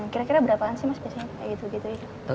kira kira berapaan sih mas biasanya